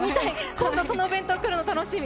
今度そのお弁当が来るの、楽しみ！